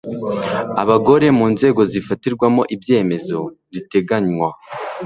abagore mu nzego zifatirwamo ibyemezo riteganywa